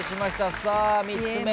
さあ３つ目。